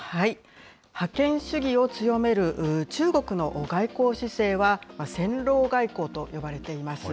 覇権主義を強める中国の外交姿勢は、戦狼外交と呼ばれています。